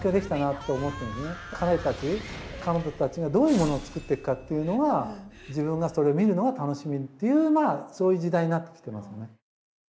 彼たち彼女たちがどういうものを作っていくかっていうのが自分がそれを見るのが楽しみっていうそういう時代になってきてますね。